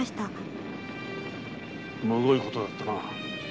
むごいことだったな。